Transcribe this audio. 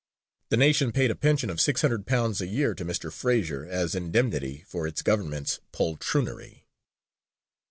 The nation paid a pension of £600 a year to Mr. Fraser as indemnity for its Government's poltroonery.